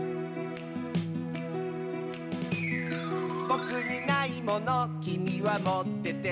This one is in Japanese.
「ぼくにないものきみはもってて」